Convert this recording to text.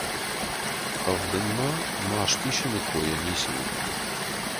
Хъӕвдынмӕ маст исыны койӕ ницы уыди.